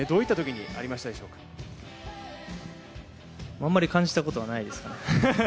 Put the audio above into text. あまり感じたことはないですかね。